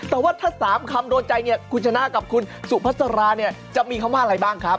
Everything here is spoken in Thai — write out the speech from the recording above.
แต่ถ้า๓คำโดนใจคุณชนะกับคุณสุพศราจะมีคำว่าอะไรบ้างครับ